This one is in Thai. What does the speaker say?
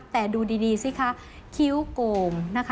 แต่ดูดีสิคะคิ้วโก่ม